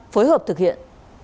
phối hợp thực hiện